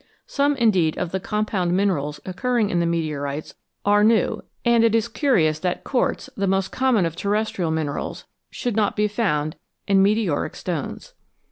Some, indeed, of the compound minerals occurring in meteorites are new, and it is curious that quartz, the most common of terrestrial minerals, should not be found in meteoric stones.